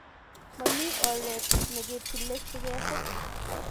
mamii oret neketilei sikesir